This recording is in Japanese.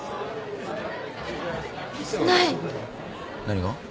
何が？